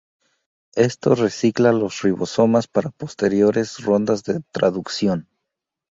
Esto "recicla" los ribosomas para posteriores rondas de traducción.